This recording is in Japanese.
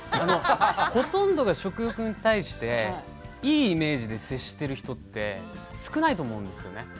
ほとんどが食欲に対していいイメージで接している人って少ないんですよね。